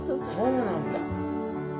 そうなんだ。